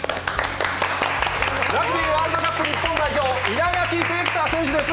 ラグビーワールドカップ日本代表、稲垣啓太選手です。